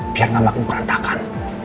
biar gak makin perantakan